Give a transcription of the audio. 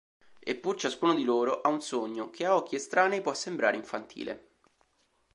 Eppure ciascun di loro ha un sogno che a occhi estranei può sembrare infantile.